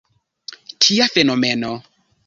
Kia fenomeno!